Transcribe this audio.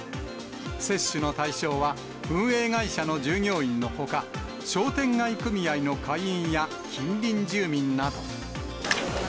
接種の対象は、運営会社の従業員のほか、商店街組合の会員や近隣住民など。